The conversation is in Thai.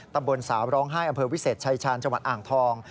ตำบลสาวร้องไห้อำเภอวิเศษชายชาญจังหวัดอ่างทอง